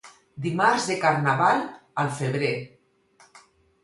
Dimarts de Carnaval, al febrer.